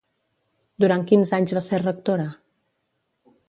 Durant quins anys va ser rectora?